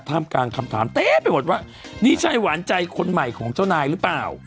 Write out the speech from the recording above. กลางคำถามเต๊ะไปหมดว่านี่ใช่หวานใจคนใหม่ของเจ้านายหรือเปล่า